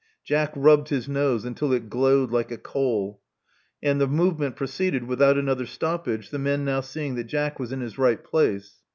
Jack rubbed his nose until it glowed like a coal; and the movement proceeded without another stoppage, the men now seeing that Jack was in his right place.